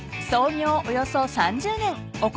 およそ３０年］